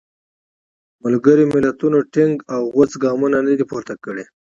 ملګري ملتونو ټینګ او غوڅ ګامونه نه دي پورته کړي.